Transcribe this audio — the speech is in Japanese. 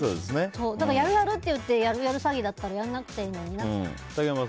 だから、やるやるって言ってやる、やる詐欺だったらやらなくていいのになって。